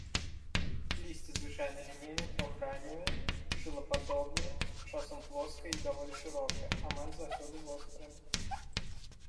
Лісце звычайна лінейна-трохграневае, шылападобнае, часам плоскае і даволі шырокае, амаль заўсёды вострае.